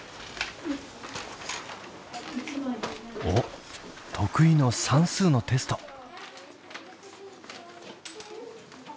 おっ得意の算数のテスト。